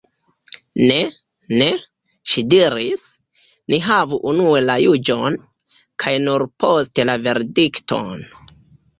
"Ne, ne," ŝi diris, "ni havu unue la juĝon, kaj nur poste la verdikton."